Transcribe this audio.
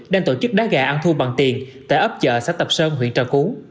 đang tổ chức đá gà ăn thua bằng tiền tại ấp chợ sát tập sơn huyện trà cứu